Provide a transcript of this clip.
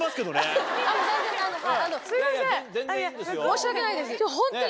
申し訳ないです。